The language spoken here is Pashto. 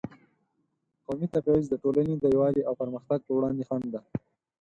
قومي تبعیض د ټولنې د یووالي او پرمختګ پر وړاندې خنډ دی.